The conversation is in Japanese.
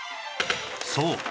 そう。